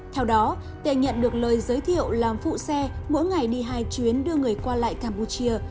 theo đó tê nhận được lời giới thiệu làm phụ xe mỗi ngày đi hai chuyến đưa người qua lại campuchia